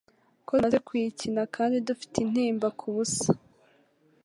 ko tumaze kuyikina kandi dufite intimba kubusa